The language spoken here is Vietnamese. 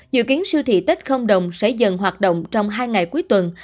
dự kiến siêu thị tết không đồng sẽ dần hoạt động trong hai ngày cuối tuần